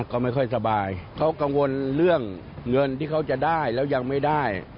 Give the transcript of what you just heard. เขาจะได้แล้วยังไม่ได้